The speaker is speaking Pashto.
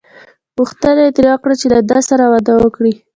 غوښتنه یې ترې وکړه چې له دې سره واده وکړي.